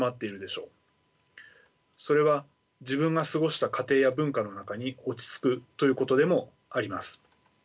それは自分が過ごした家庭や文化の中に落ち着くということでもあります。